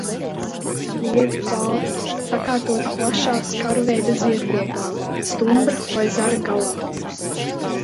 Ziedi balti, sakārtoti plašā skarveida ziedkopā stumbra vai zara galā.